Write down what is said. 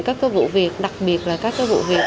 các vụ việc đặc biệt là các vụ việc